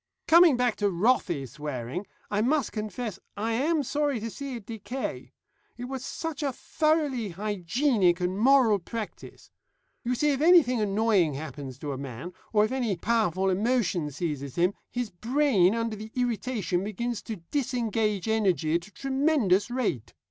"Coming back to wrathy swearing, I must confess I am sorry to see it decay. It was such a thoroughly hygienic and moral practice. You see, if anything annoying happens to a man, or if any powerful emotion seizes him, his brain under the irritation begins to disengage energy at a tremendous rate.